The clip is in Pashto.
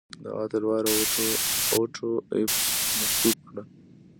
د هغه تلوار اوټو ایفز مشکوک کړ.